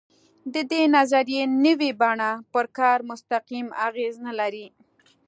د دې نظریې نوې بڼه پر کار مستقیم اغېز نه لري.